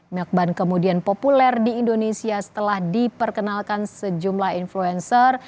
melkban kemudian populer di indonesia setelah diperkenalkan sejumlah influencer